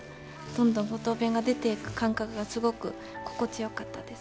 どんどん五島弁が出ていく感覚がすごく心地よかったですね。